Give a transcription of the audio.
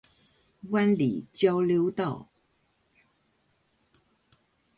灣裡交流道